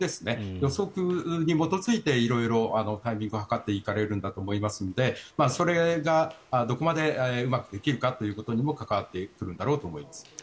予測に基づいて色々、タイミングを図っていかれるんだろうと思いますのでそれがどこまでうまくできるかということにも関わってくるんだろうと思います。